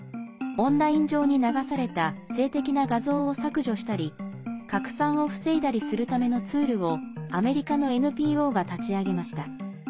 オンライン上に流された性的な画像を削除したり拡散を防いだりするためのツールをアメリカのＮＰＯが立ち上げました。